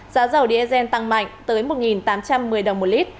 giá dầu diesel tăng mạnh tới một tám trăm một mươi đồng một lít